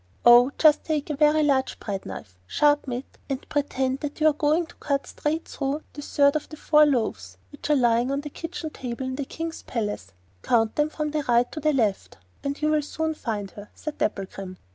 'Oh, just take a very large bread knife, sharpen it, and pretend that you are going to cut straight through the third of the four loaves which are lying on the kitchen table in the King's palace—count them from right to left—and you will soon find her,' said Dapplegrim.